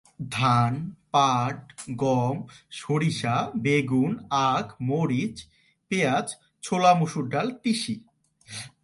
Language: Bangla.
ধান, পাট, গম, সরিষা, বেগুন, আখ, মরিচ, পেঁয়াজ, ছোলা মসুর ডাল তিসি।